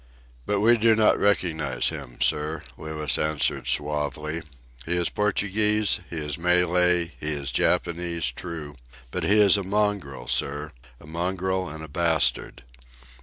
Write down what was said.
"But we do not recognize him, sir," Louis answered suavely. "He is Portuguese; he is Malay; he is Japanese, true; but he is a mongrel, sir, a mongrel and a bastard.